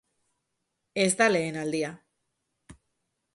Ez da lehen aldia.